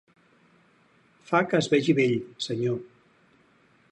Fa que es vegi vell, senyor.